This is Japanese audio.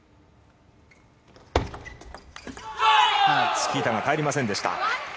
チキータが入りませんでした。